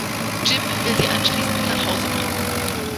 Jim will sie anschließend nach Hause bringen.